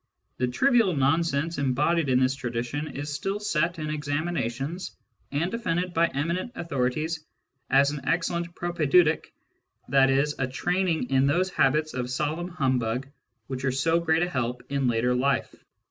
The trivial nonsense embodied in this tradition is still set in examina tions, and defended by eminent authorities as an excellent " propaedeutic," i.e. a training in those habits of solemn humbug which are so great a help in later life.